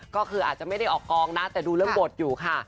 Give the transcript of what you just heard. ก็คืออาจจะไม่ได้ออกกองนะแต่ดูเรื่องบทอยู่ค่ะ